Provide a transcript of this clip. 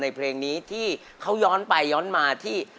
เพลงนี้ที่เขาย้อนไปย้อนมาที่